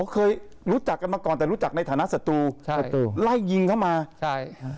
เคยรู้จักกันมาก่อนแต่รู้จักในฐานะศัตรูใช่สตูไล่ยิงเข้ามาใช่ฮะ